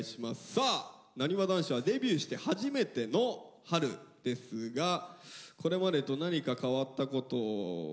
さあなにわ男子はデビューして初めての春ですがこれまでと何か変わったこと長尾ある？